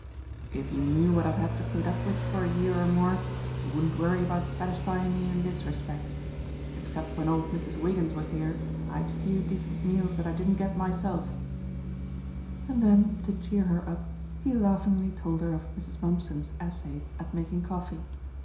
"If you knew what I've had to put up with for a year or more, you wouldn't worry about satisfying me in this respect. Except when old Mrs. Wiggins was here, I had few decent meals that I didn't get myself," and then, to cheer her up, he laughingly told her of Mrs. Mumpson's essay at making coffee.